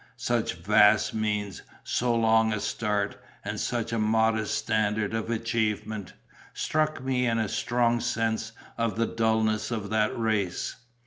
Such vast means, so long a start, and such a modest standard of achievement, struck in me a strong sense of the dulness of that race.